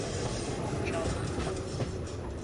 Çaldım.